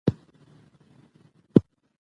احتمالي ماضي د ممکنه پېښو له پاره ده.